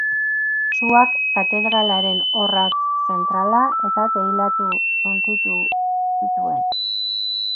Suak katedralaren orratz zentrala eta teilatu suntsitu zituen.